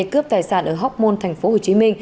cướp tài sản ở hóc môn tp hcm